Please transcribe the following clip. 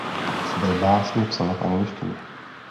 Své básně psala v angličtině.